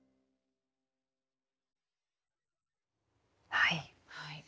はい。